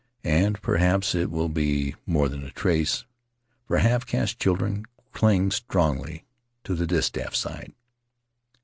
. and perhaps it will be more than a trace, for half caste children cling strongly to the distaff side.